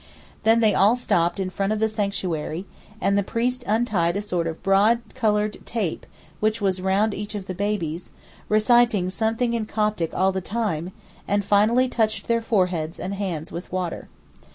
Then they all stopped in front of the sanctuary, and the priest untied a sort of broad coloured tape which was round each of the babies, reciting something in Coptic all the time, and finally touched their foreheads and hands with water.